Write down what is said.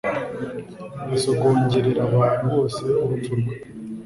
asogongerera abantu bose urupfu rwe